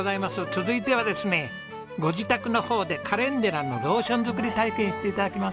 続いてはですねご自宅の方でカレンデュラのローション作り体験して頂きます。